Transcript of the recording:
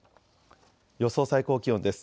予想最高気温です。